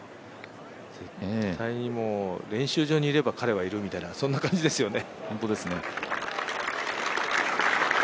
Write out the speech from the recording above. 絶対、練習場にいれば彼はいるみたいなそんな感じですよね。